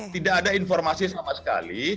tidak ada informasi sama sekali